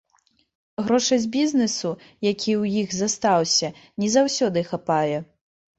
Грошай з бізнэсу, які ў іх застаўся, не заўсёды хапае.